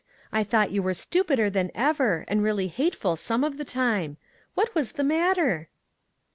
I thought you were stupider than ever, and really hateful some of the time. What was the matter